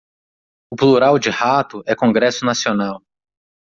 o plural de rato é congresso nacional